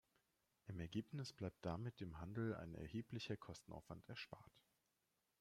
Im Ergebnis bleibt damit dem Handel ein erheblicher Kostenaufwand erspart.